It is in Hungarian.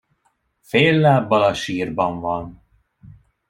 Fél lábbal a sírban van.